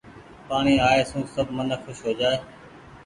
پآڻيٚ آئي سون سب منک کوس هو جآئي ۔